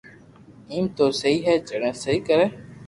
ايم تو سھي ھي جڻي سھي ڪري